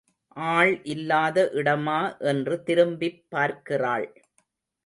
ஆள் இல்லாத இடமா என்று திரும்பிப் பார்க்கிறாள்.